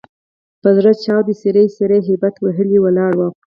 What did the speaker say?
په زړه چاود، څیري څیري هبیت وهلي ولاړ وو.